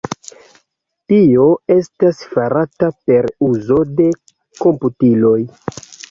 Tio estas farata per uzo de komputiloj.